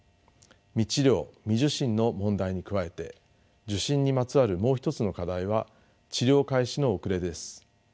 未治療未受診の問題に加えて受診にまつわるもう一つの課題は治療開始の遅れです。